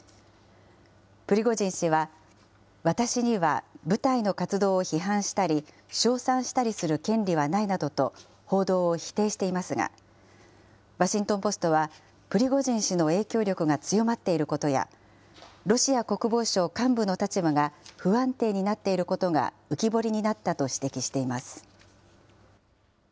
プリゴジン氏は、私には部隊の活動を批判したり、称賛したりする権利はないなどと、報道を否定していますが、ワシントン・ポストはプリゴジン氏の影響力が強まっていることや、ロシア国防省幹部の立場が不安定になっていることが浮き彫りになったと指摘しています。